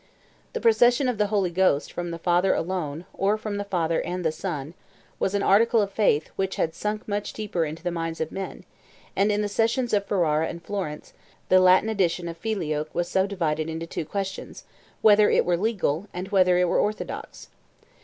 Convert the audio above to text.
The procession of the Holy Ghost from the Father alone, or from the Father and the Son, was an article of faith which had sunk much deeper into the minds of men; and in the sessions of Ferrara and Florence, the Latin addition of filioque was subdivided into two questions, whether it were legal, and whether it were orthodox.